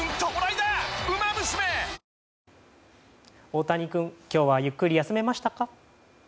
オオタニくん今日はゆっくり休めましたか？